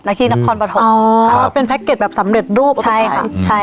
นักฟิกนักคลอนประถมอ๋อเป็นแพ็คเก็ตแบบสำเร็จรูปใช่ค่ะใช่